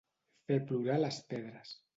Fer plorar les pedres.